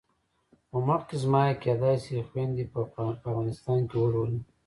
خو مخکې زما یې کېدای شي خویندې په افغانستان کې ولولي.